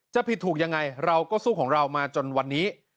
จะผิดถูกยังไงเราก็สู้ของเรามาจนวันนี้